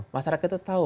masyarakat itu tahu